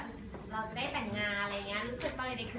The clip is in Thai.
เราจะได้แต่งงานอะไรอย่างนี้รู้สึกตอนเด็ก